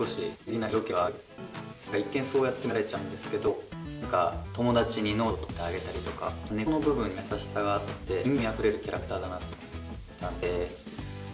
なんか一見そうやって見られちゃうんですけどなんか友達にノート取ってあげたりとか根っこの部分に優しさがあって人間味あふれるキャラクターだなと思ったんです